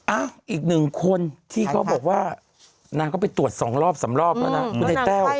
อ่ะอีกหนึ่งคนที่เขาบอกว่านางเขาไปตรวจสองรอบสามรอบแล้วน่ะ